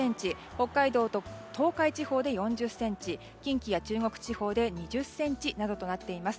北海道と東海地方で４０ｃｍ近畿や中国地方で２０ｃｍなどとなっています。